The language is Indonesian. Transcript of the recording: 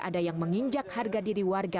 ada yang menginjak harga diri warga